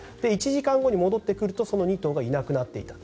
１時間後に戻ってくるとその２頭がいなくなっていた。